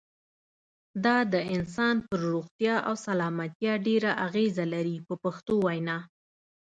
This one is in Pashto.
دا د انسان پر روغتیا او سلامتیا ډېره اغیزه لري په پښتو وینا.